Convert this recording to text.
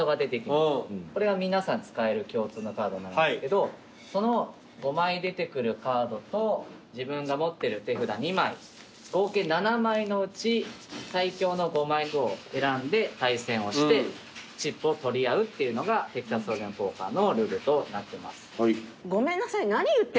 これは皆さん使える共通のカードなんですけどその５枚出てくるカードと自分が持ってる手札２枚合計７枚のうち最強の５枚を選んで対戦をしてチップを取り合うっていうのがテキサスホールデムポーカーのルールとなってます。